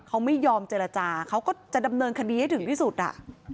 เขาไม่ยอมเจรจาเขาก็จะดำเนินคดีให้ถึงที่สุดอ่ะ